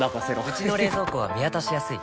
うちの冷蔵庫は見渡しやすい